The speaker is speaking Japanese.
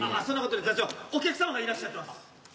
そんなことより座長お客様がいらっしゃってます。